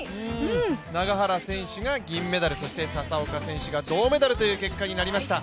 永原選手が銀メダル、笹岡選手が銅メダルという結果になりました。